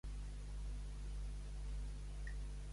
Deixa de nit llonga via; pren dejorn albergueria.